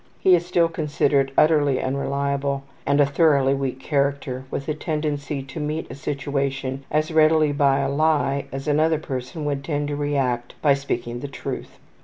He is still considered utterly unreliable and a thoroughly weak character with a tendency to meet a situation as readily by a lie as another person would tend to react by speaking the truth.